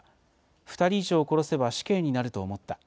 ２人以上殺せば死刑になると思った。